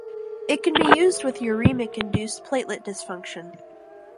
It can be used with uremic induced platelet dysfunction.